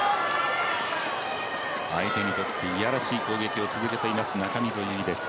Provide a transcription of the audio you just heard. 相手にとって、嫌らしい攻撃を続けています中溝優生です。